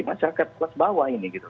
masyarakat kelas bawah ini gitu